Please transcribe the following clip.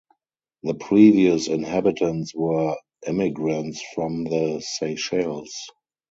The previous inhabitants were emigrants from the Seychelles.